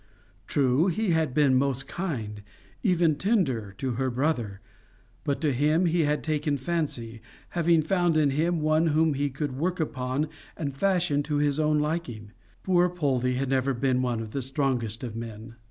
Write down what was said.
True he had been most kind, even tender, to her brother, but to him he had taken a fancy, having found in him one whom he could work upon and fashion to his own liking: poor Poldie had never been one of the strongest of men.